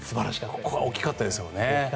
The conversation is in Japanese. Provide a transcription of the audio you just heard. ここは大きかったですよね。